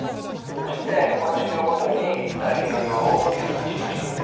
そしてこの式をもとにだ液の量を計算しました。